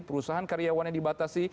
perusahaan karyawannya dibatasi